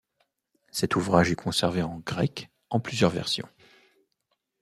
Cet ouvrage est conservé en grec, en plusieurs versions.